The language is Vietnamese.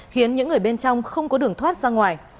khiến những người bên trong không có đường thoát ra ngoài